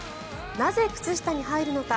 なぜ、靴下に入るのか。